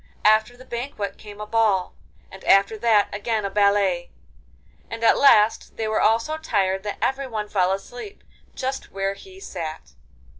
After the banquet came a ball, and after that again a ballet, and at last they were all so tired that everyone fell asleep just where he sat.